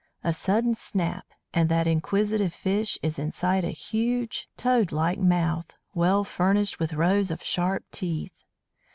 A sudden snap, and that inquisitive fish is inside a huge, toad like mouth, well furnished with rows of sharp teeth.